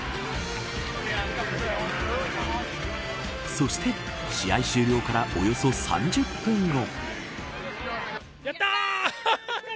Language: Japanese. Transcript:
そして、試合終了からおよそ３０分後。